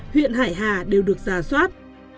huyện hải hà đều được giả soát